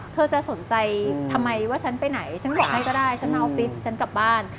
เธอจะสนใจทำไมว่าฉันไปไหนฉันบอกให้ก็ได้ฉันมาออฟฟิศฉันกลับบ้าน